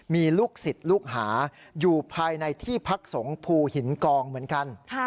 มีลูกศิษย์ลูกหาอยู่ภายในที่พักสงภูหินกองเหมือนกัน